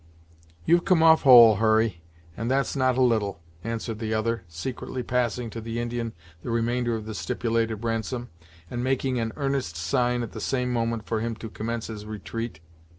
"You've come off whole, Hurry, and that's not a little," answered the other, secretly passing to the Indian the remainder of the stipulated ransom, and making an earnest sign at the same moment for him to commence his retreat.